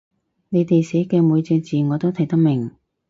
你哋寫嘅每隻字我都睇得明